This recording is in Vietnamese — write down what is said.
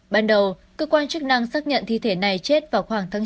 ban đầu cơ quan chức năng xác nhận thi thể này chết vào khoảng tháng chín